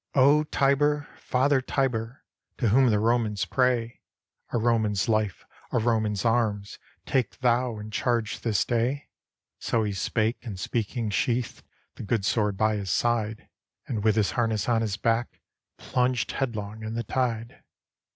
"O Tiber! father Tiber! To whom the Romans pray, A Roman's life, a Roman's arms, Take thou in charge this day!" So he spake, and speaking sheathed The good sword by his side. And with his harness on his back Plunged headlong in the tide.